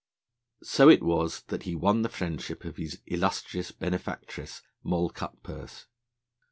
So it was that he won the friendship of his illustrious benefactress, Moll Cutpurse.